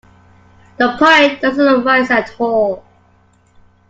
The point doesn't arise at all.